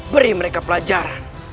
beri mereka pelajaran